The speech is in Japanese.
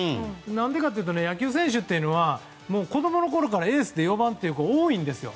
なぜかというと野球選手というのは子供のころからエースで４番という子が多いんですよ。